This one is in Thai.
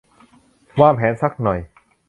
วางแผนสักหน่อย